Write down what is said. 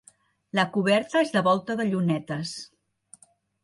La coberta és de volta de llunetes.